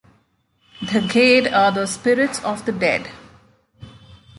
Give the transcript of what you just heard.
The Ghede are the spirits of the dead.